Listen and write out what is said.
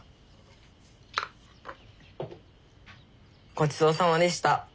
・ごちそうさまでした。